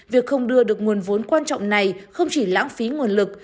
việc không đưa được nguồn vốn quan trọng này không chỉ lãng phí nguồn lực